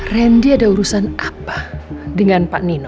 randy ada urusan apa dengan pak nino